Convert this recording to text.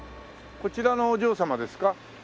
こちらのお嬢様ですか？